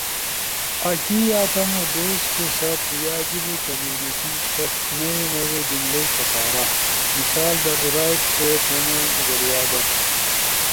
آکی یا تمو دوستو ست یا جیبو کمیونٹی ست نئی موڙو جملئی سپارا۔ مثال در ‘رائٹ اے تھون ذریعہ در’